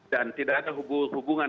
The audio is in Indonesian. dan tidak ada hubungan keterkaitan